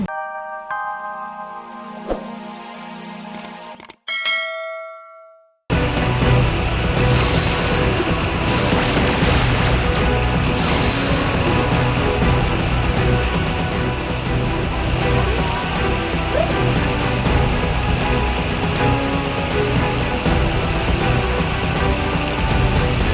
masya allah alhamdulillah masya allah